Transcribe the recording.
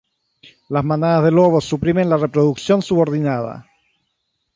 Las manadas de lobos suprimen la reproducción subordinada.